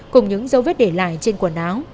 cùng những dấu vết để lại trên quần áo